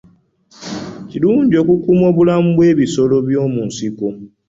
Kirungi okukuuma obulamu bw'ebisolo by'omu nsiko.